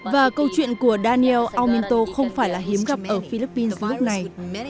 và câu chuyện của daniel alminto không phải là hiếm gặp ở philippines lúc này